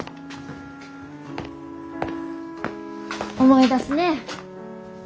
思い出すね。